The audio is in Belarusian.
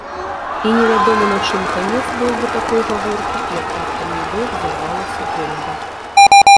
І невядома, на чым канец быў бы такой гаворкі, як раптам нібы разарвалася бомба.